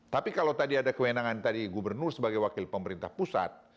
tapi kalau tadi ada kewenangan tadi gubernur sebagai wakil pemerintah pusat